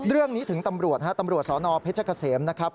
เรื่องนี้ถึงตำรวจศพเกษมนะครับ